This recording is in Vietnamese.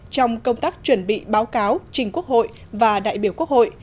trong công tác chuẩn bị báo cáo trình quốc hội và đại biểu quốc hội